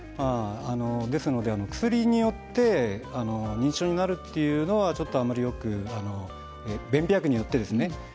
ですので薬によって認知症になるというのはあまり便秘薬によってですね